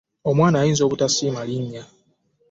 Omwana ayinza obutasiima linnya.